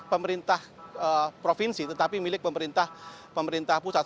pemerintah provinsi tetapi milik pemerintah pusat